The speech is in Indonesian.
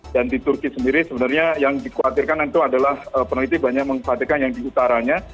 dan di turki sendiri sebenarnya yang dikhawatirkan itu adalah peneliti banyak mengkhawatirkan yang di utaranya